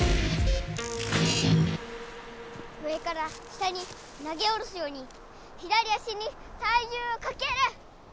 上から下に投げ下ろすように左足にたいじゅうをかける！